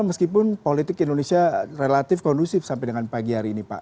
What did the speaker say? meskipun politik indonesia relatif kondusif sampai dengan pagi hari ini pak